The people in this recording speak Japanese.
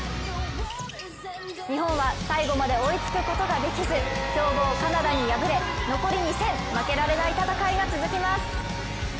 日本は最後まで追いつくことができず強豪カナダに敗れ残り２戦、負けられない戦いが続きます。